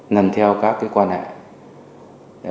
nằm theo các cái quan hệ